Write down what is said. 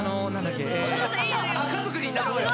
っけえ「家族になろうよ」